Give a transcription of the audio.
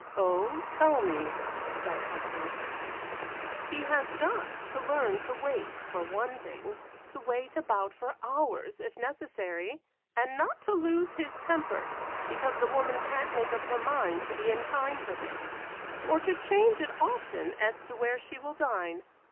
"Oh, tell me," said Hector. "He has got to learn to wait, for one thing, to wait about for hours if necessary, and not to lose his temper, because the woman can't make up her mind to be in time for things, or to change it often as to where she will dine.